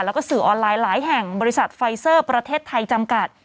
แล้วก็สื่อออนไลน์หลายแห่งบริษัทไฟเซอร์ประเทศไทยจำกัด